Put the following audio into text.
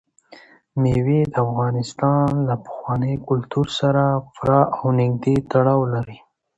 مېوې د افغانستان له پخواني کلتور سره پوره او نږدې تړاو لري.